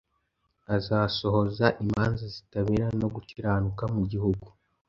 azasohoza imanza zitabera no gukiranuka mu gihugu.